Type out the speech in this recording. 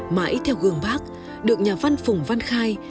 mãi theo gương bác được nhà văn phủng văn khẩu